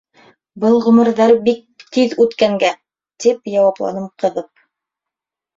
Был ғүмерҙәр бик тиҙ үткәнгә. — тип яуапланым ҡыҙып.